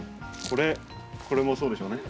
これもそうでしょうね。